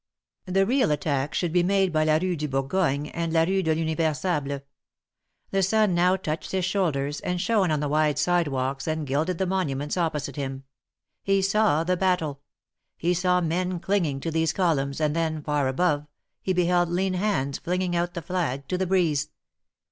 The real attack should be made by la Rue du Bourgogne and la Rue de I'Univer able. The sun now touched his shoulders; and shone on the wide sidewalks and gilded the monuments opposite him. He saw the battle. He saw men clinging to these columns, and then far above, he beheld lean hands flinging out the flag to the breeze.